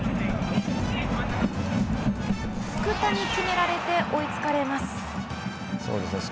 福田に決められて追いつかれます。